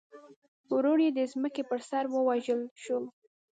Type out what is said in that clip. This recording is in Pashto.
ورور یې د ځمکې پر سر ووژل شو.